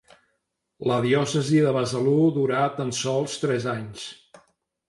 La diòcesi de Besalú durà tan sols tres anys.